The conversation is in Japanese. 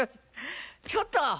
ちょっと！